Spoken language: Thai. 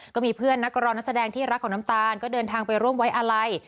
ก็มีเพื่อนนักร้องนักแสดงที่รักของน้ำตาลก็เดินทางไปร่วมไว้อาลัย